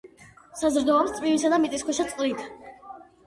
საზრდოობს წვიმისა და მიწისქვეშა წყლით.